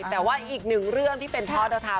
แต่ว่าอีกหนึ่งเรื่องของเทาเท้า